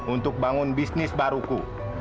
untuk bangun bisnis baruku